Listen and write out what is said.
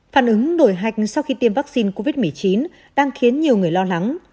phản ứng đổi hạch sau khi tiêm vaccine covid một mươi chín đang khiến nhiều người lo lắng